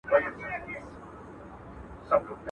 له خوارۍ ژرنده ساتي، د خياله مزد نه اخلي.